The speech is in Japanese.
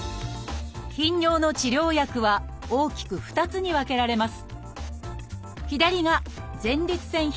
頻尿の治療薬は大きく２つに分けられます